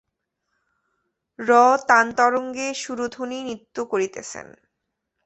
র তানতরঙ্গে সুরধুনী নৃত্য করিতেছেন।